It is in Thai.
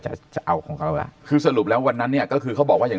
จะเอาจะเอาของเขาล่ะคือสรุปแล้ววันนั้นเนี้ยก็คือเขาบอกว่าอย่าง